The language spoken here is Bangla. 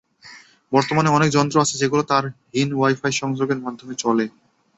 বর্তমানে এমন অনেক যন্ত্র আছে, যেগুলো তারহীন ওয়াই-ফাই সংযোগের মাধ্যমে চলে।